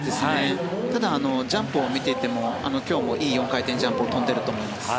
ただジャンプを見ていても今日もいい４回転ジャンプを跳んでいると思います。